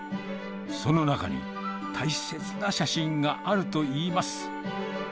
その中に、大切な写真があるといいます。